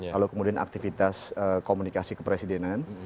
lalu kemudian aktivitas komunikasi kepresidenan